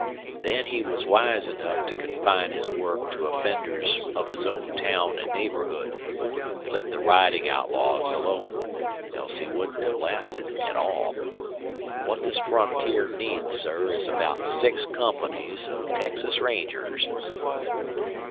Then he was wise enough to confine his work to offenders of his own town and neighborhood. He let the riding outlaws alone, else he wouldn't have lasted at all.... What this frontier needs, sir, is about six companies of Texas Rangers."